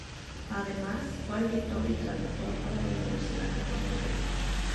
Además, fue editor y traductor para la Universidad de Puerto Rico.